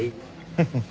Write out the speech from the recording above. フフフ。